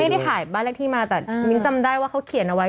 ไม่ได้ขายบ้านเลขที่มาแต่มิ้นจำได้ว่าเขาเขียนเอาไว้